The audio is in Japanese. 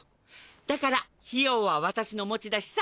だから費用は私の持ち出しさ。